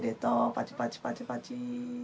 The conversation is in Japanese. パチパチパチパチ。